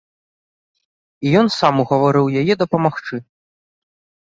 І ён сам угаварыў яе дапамагчы.